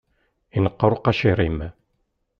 Inqer uqacir-im.